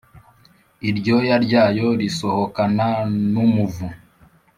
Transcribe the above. iryoya ryayo risohokana n’umuvu;